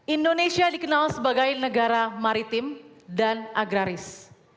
indonesia dikenal sebagai negara maritim dan agraris